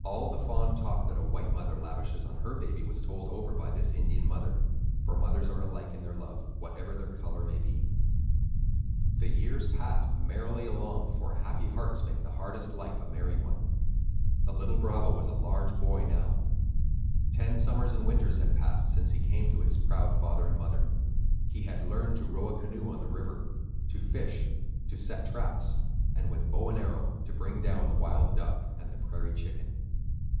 All the fond talk that a white mother lavishes on her baby was told over by this Indian mother; for mothers are alike in their love, whatever their color may be. The years passed merrily along, for happy hearts make the hardest life a merry one. The Little Bravo was a large boy now. Ten summers and winters had passed since he came to his proud father and mother. He had learned to row a canoe on the river, to fish, to set traps, and with bow and arrow to bring down the wild duck and the prairie chicken.